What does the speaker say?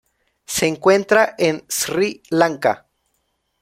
Se encuentra en Sri Lanka.